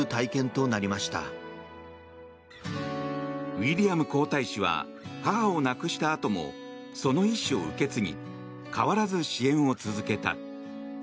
ウィリアム皇太子は母を亡くしたあともその遺志を受け継ぎ変わらず支援を続けた。